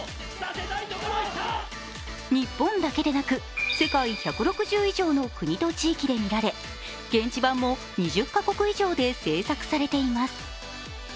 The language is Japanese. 日本だけでなく、世界１６０以上の国と地域で見られ現地版も２０カ国以上で制作されています。